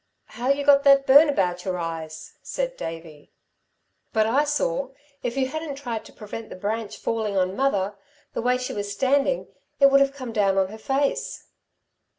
"How you got that burn about your eyes," said Davey. "But I saw. If you hadn't tried to prevent the branch falling on mother, the way she was standing, it would have come down on her face."